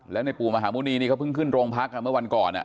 แล้วในปู่มหาหมุณีนี่เขาเพิ่งขึ้นโรงพักเมื่อวันก่อน